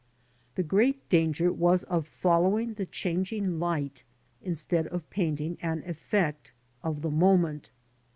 The great danger was of following the changing light instead of painting an effect of the moment.